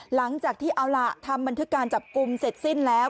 หลังจากที่เอาล่ะทำบันทึกการจับกลุ่มเสร็จสิ้นแล้ว